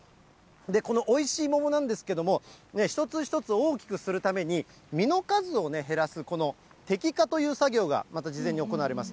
で、このおいしい桃なんですけれども、一つ一つ大きくするために、実の数をね、減らすこの摘果という作業がまた事前に行われます。